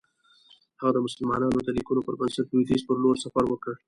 هغه د مسلمانانو د لیکنو پر بنسټ لویدیځ پر لور سفر وکړ.